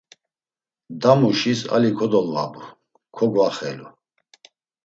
Damuşis ali kodolvabu, kogvaxelu.